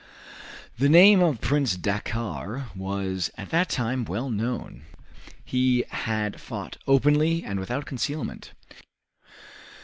The name of Prince Dakkar was at that time well known. He had fought openly and without concealment.